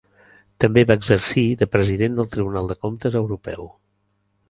També va exercir de president del Tribunal de Comptes Europeu.